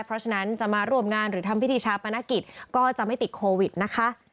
เพราะฉะนั้นจะมาร่วมงานหรือทำพิธีชาปนกิจก็จะไม่ติดโควิดนะคะ